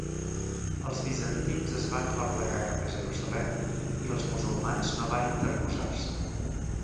Els bizantins es van replegar cap a Jerusalem, i els musulmans no van interposar-se.